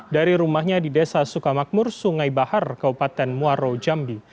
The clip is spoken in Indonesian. dari rumahnya di desa sukamakmur sungai bahar kabupaten muaro jambi